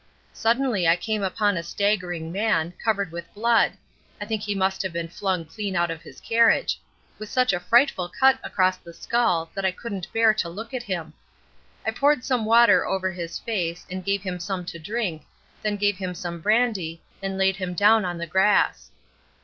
Suddenly I came upon a staggering man, covered with blood (I think he must have been flung clean out of his carriage), with such a frightful cut across the skull that I couldn't bear to look at him. I poured some water over his face, and gave him some to drink, then gave him some brandy, and laid him down on the grass.